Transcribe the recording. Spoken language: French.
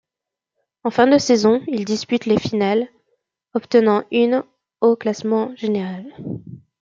En fin de saison, il dispute les Finales, obtenant une au classement général.